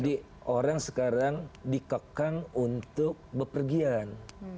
jadi orang sekarang dikekang untuk bepergian